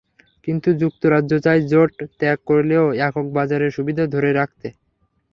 কিন্তু যুক্তরাজ্য চায় জোট ত্যাগ করলেও একক বাজারের সুবিধা ধরে রাখতে।